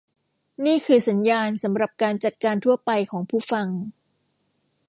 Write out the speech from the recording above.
นี่คือสัญญาณสำหรับการจัดการทั่วไปของผู้ฟัง